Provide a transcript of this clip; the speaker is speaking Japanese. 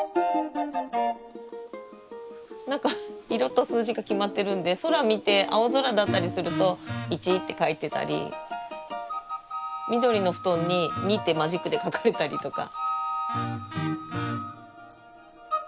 何か色と数字が決まってるんで空見て青空だったりすると「１」って描いてたり緑の布団に「２」ってマジックで描かれたりとか。